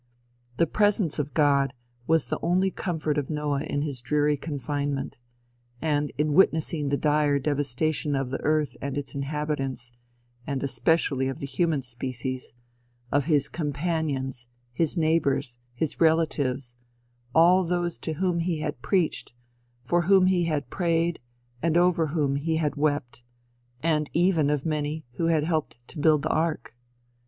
"The presence of God was the only comfort of Noah in his dreary confinement, and in witnessing the dire devastation of the earth and its inhabitants, and especially of the human species of his companions, his neighbors, his relatives all those to whom he had preached, for whom he had prayed and over whom he had wept, and even of many who had helped to build the ark.